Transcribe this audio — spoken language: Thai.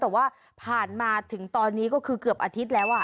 แต่ว่าผ่านมาถึงตอนนี้ก็คือเกือบอาทิตย์แล้ว